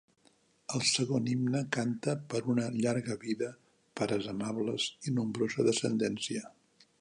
El segon himne canta per una llarga vida, pares amables i nombrosa descendència.